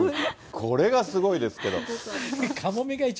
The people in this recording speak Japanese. これがすごいですけど。